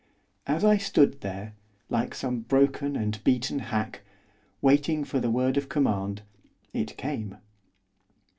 As I stood there, like some broken and beaten hack, waiting for the word of command, it came.